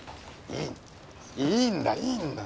いいんだいいんだ。